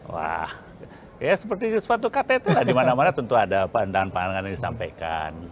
wah ya seperti suatu ktt lah dimana mana tentu ada pandangan pandangan yang disampaikan